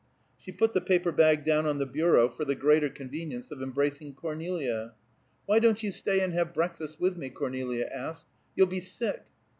She put the paper bag down on the bureau for the greater convenience of embracing Cornelia. "Why don't you stay and have breakfast with me?" Cornelia asked. "You'll be sick."